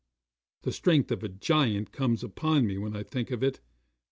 The strength of a giant comes upon me when I think of it.